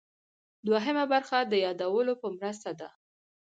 دوهمه برخه د یادولو په مرسته ده.